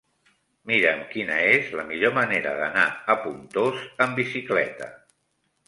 Mira'm quina és la millor manera d'anar a Pontós amb bicicleta.